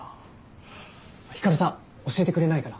光さん教えてくれないかな？